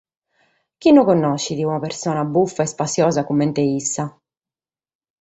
Chie non connoschet una persone bufa e spassiosa comente issa?